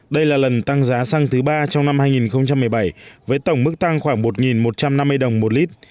đây là lần tăng giá xăng thứ ba trong năm hai nghìn một mươi bảy với tổng mức tăng khoảng một một trăm năm mươi đồng một lít